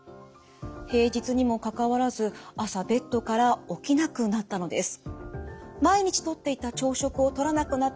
平日にもかかわらず朝ベッドから起きなくなったのです。